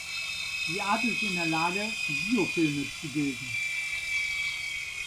Die Art ist in der Lage Biofilme zu bilden.